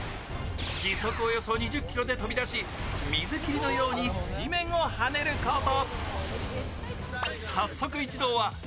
時速およそ２０キロで飛び出し、水切りのように水面をはねること。